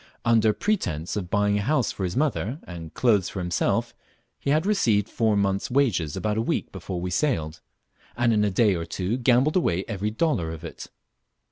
Under pretence of buying a house for his mother, and clothes, for himself, he had received four months' wages about a week before we sailed, and in a day or two gambled away every dollar of it.